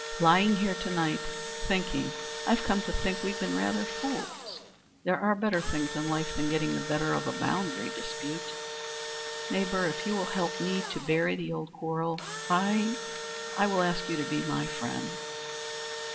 Lying here to night thinking I've come to think we've been rather fools; there are better things in life than getting the better of a boundary dispute. Neighbour, if you will help me to bury the old quarrel I—I will ask you to be my friend."